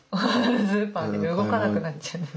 スーパーで動かなくなっちゃうんです。